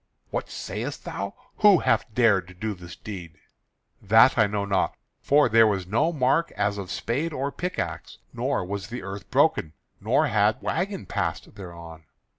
"What sayest thou? Who hath dared to do this deed?" "That I know not, for there was no mark as of spade or pick axe; nor was the earth broken, nor had wagon passed thereon.